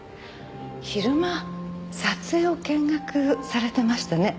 昼間撮影を見学されてましたね。